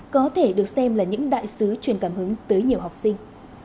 có thể được xem là những đại sứ truyền cảm hứng tới nhiều học sinh